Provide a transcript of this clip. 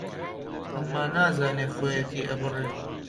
ئەمما نازانێ خۆیەتی ئەبرێ